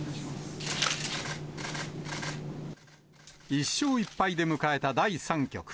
１勝１敗で迎えた第３局。